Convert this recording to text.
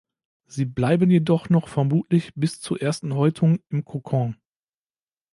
Sie bleiben jedoch noch vermutlich bis zur ersten Häutung im Kokon.